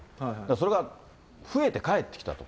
それが増えて返ってきたと。